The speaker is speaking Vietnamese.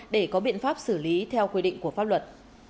để có biện pháp xử lý theo quy định của pháp luật